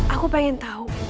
aku pengen tau